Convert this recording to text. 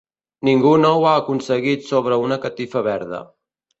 Ningú no ho ha aconseguit sobre una catifa verda.